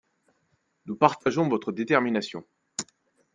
Nous partageons votre détermination.